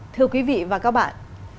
thưa quý vị và các bạn